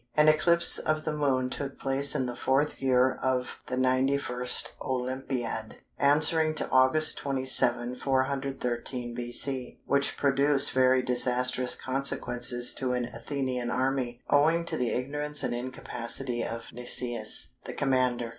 An eclipse of the Moon took place in the 4th year of the 91st Olympiad, answering to August 27, 413 B.C., which produced very disastrous consequences to an Athenian army, owing to the ignorance and incapacity of Nicias, the commander.